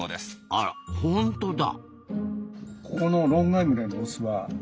あらほんとだ。